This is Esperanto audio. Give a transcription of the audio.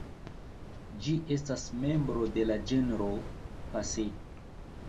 Ĝi estas membro de la genro "Passer".